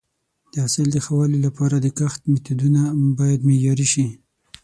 د حاصل د ښه والي لپاره د کښت میتودونه باید معیاري شي.